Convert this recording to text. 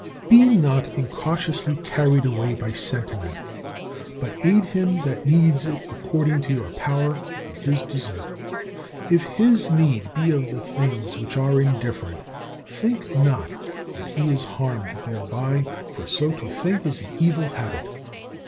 36. Be not incautiously carried away by sentiment, but aid him that needs it according to your power and his desert. If his need be of the things which are indifferent, think not that he is harmed thereby, for so to think is an evil habit.